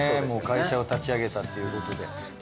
もう会社を立ち上げたっていうことで。